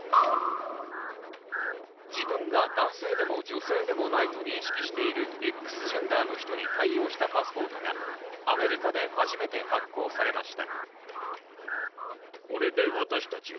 自分が男性でも女性でもないと認識しているＸジェンダーの人に対応したパスポートがアメリカで初めて発行されました。